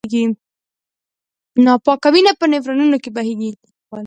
ناپاکه وینه په نفرونونو کې بهېږي.